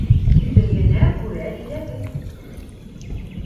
Өйөнә күрә иләге